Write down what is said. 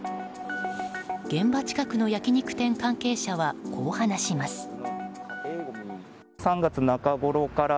現場近くの焼き肉店関係者はこう話します。